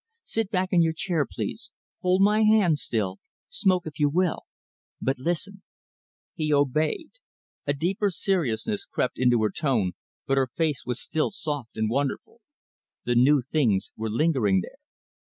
Sit back in your chair, please, hold my hand still, smoke if you will, but listen." He obeyed. A deeper seriousness crept into her tone, but her face was still soft and wonderful. The new things were lingering there.